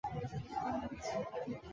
分布于广西等地。